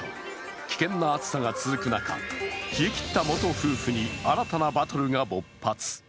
危険な暑さが続く中、冷えきった元夫婦に新たなバトルが勃発。